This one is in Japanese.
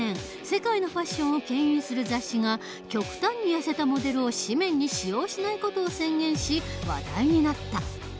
世界のファッションをけん引する雑誌が極端にやせたモデルを紙面に使用しない事を宣言し話題になった。